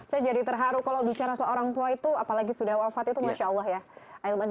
saya jadi terharu kalau bicara soal orang tua itu apalagi sudah wafat itu masya allah ya ahilman